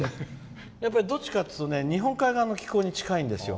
どちらかというと日本海側の気候に近いんですよ。